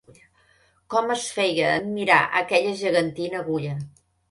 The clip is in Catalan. Com es feia admirar aquella gegantina agulla